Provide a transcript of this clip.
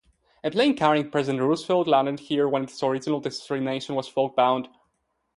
A plane carrying President Roosevelt landed here when its original destination was fogbound.